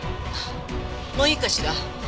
もういいかしら。